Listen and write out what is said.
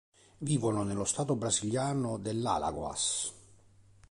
Vivono nello stato brasiliano dell'Alagoas.